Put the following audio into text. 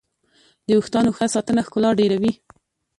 د ویښتانو ښه ساتنه ښکلا ډېروي.